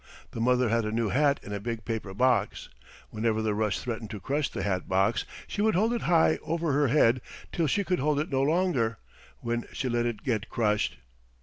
The mother had a new hat in a big paper box. Whenever the rush threatened to crush the hat box, she would hold it high over her head till she could hold it no longer, when she let it get crushed.